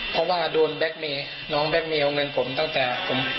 เพราะว่าโดนแบ็คเมย์น้องแบ็คเมลเอาเงินผมตั้งแต่ผม